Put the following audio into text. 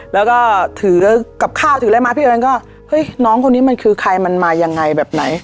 แล้วก็ถือกับข้าวถืออะไรมาพี่เอิญก็เฮ้ยน้องคนนี้มันคือใครมันมายังไงแบบไหน